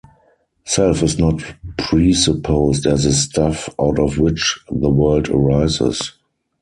Self is not presupposed as a stuff out of which the world arises.